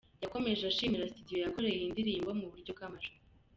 " Yakomeje ashimira studio yakoreye iyi ndirimbo mu buryo bw'amajwi.